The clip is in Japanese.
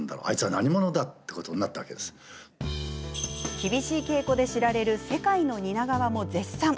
厳しい稽古で知られる世界の蜷川も絶賛。